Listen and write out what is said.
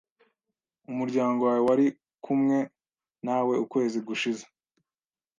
Umuryango wawe wari kumwe nawe ukwezi gushize?